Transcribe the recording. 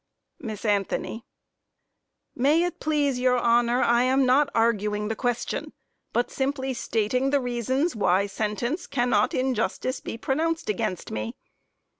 MISS ANTHONY May it please your honor, I am not arguing the question, but simply stating the reasons why sentence cannot, in justice, be pronounced against me.